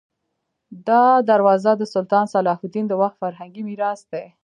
دا دروازه د سلطان صلاح الدین د وخت فرهنګي میراث دی.